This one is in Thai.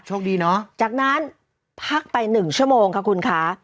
ช่วงดีนะจากนั้นพักไปหนึ่งชั่วโมงคะคุณคะ